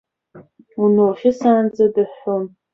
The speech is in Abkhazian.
Уналхьысаанӡа дыҳәҳәон.